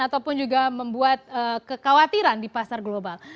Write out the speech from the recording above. ataupun juga membuat kekhawatiran di pasar global